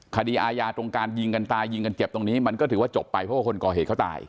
คดีอาญาตรงการยิงกันตายยิงกันเจ็บตรงนี้มันก็ถือว่าจบไปเพราะว่าคนก่อเหตุเขาตาย